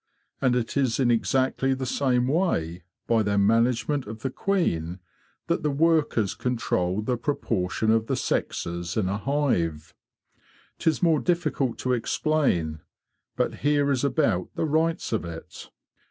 And it is in exactly the same way—by their management of the queen—that the workers control the proportion of the sexes in a hive. 'Tis more difficult to explain, but here is about the rights of it.